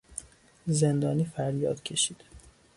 زندانی فریاد کشید.